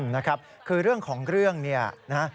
นะครับคือเรื่องของเรื่องเนี่ยนะฮะ